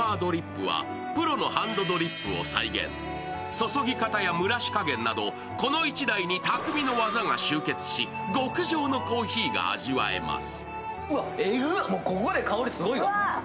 注ぎ方や蒸らし加減などこの１台に匠の技が集結し極上のコーヒーが味わえます。